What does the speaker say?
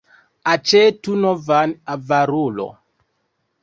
Aĉetu novan, avarulo!